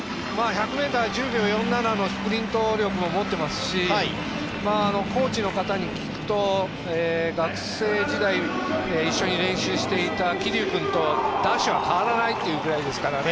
１００ｍ、１０秒４７のスプリント力も持ってますしコーチの方に聞くと学生時代一緒に練習していた桐生君とダッシュは変わらないっていうぐらいですからね。